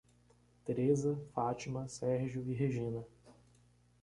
Tereza, Fátima, Sérgio e Regina